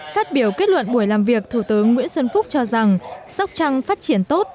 phát biểu kết luận buổi làm việc thủ tướng nguyễn xuân phúc cho rằng sóc trăng phát triển tốt